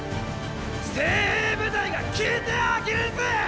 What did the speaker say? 精鋭部隊が聞いて呆れるぜ！